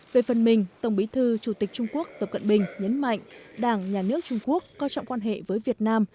về phần mình tổng bí thư chủ tịch trung quốc tập cận bình nhấn mạnh đảng nhà nước trung quốc coi trọng quan hệ với việt nam